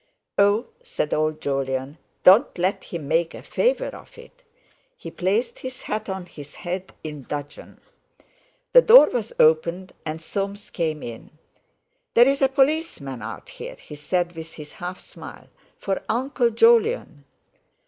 "Oh!" said old Jolyon, "don't let him make a favour of it!" He placed his hat on his head in dudgeon. The door was opened and Soames came in. "There's a policeman out here," he said with his half smile, "for Uncle Jolyon."